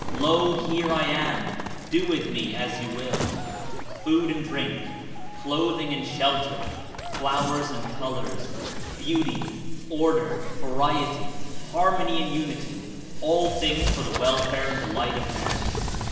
Lo, here I am! Do with me as you will." Food and drink, clothing and shelter, flowers and colors, beauty, order, variety, harmony and unity, all things for the welfare and delight of man